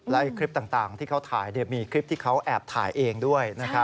และคลิปต่างที่เขาถ่ายมีคลิปที่เขาแอบถ่ายเองด้วย